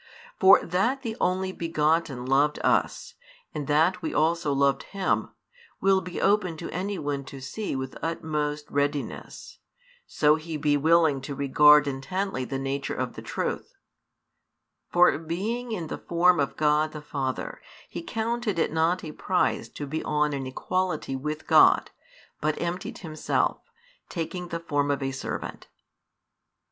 For that the Only begotten loved us, and that we also loved Him, will be open to any one to see with utmost readiness, so he be willing to regard intently the nature of the truth: For being in the form of God the Father, He counted it not a prize to be on an equality with God, but emptied Himself, taking the form of a servant.